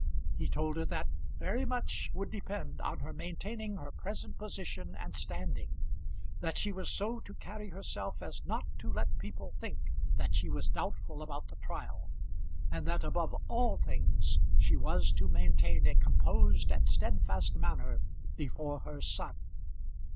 He told her that very much would depend on her maintaining her present position and standing; that she was so to carry herself as not to let people think that she was doubtful about the trial; and that above all things she was to maintain a composed and steadfast manner before her son.